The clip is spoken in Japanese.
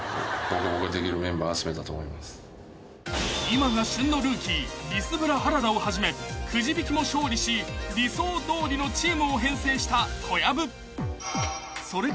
［今が旬のルーキービスブラ原田をはじめくじ引きも勝利し理想どおりのチームを編成した小籔］